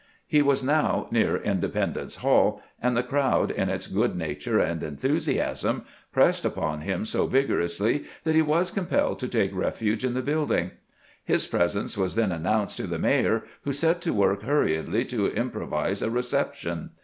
He was now near Independence Hall, and the crowd, in its good nature and enthusiasm, pressed upon him so vigorously that he was compelled to take refuge in the building. His presence was then announced to the mayor, who set to work hurriedly to improvise a recep tion.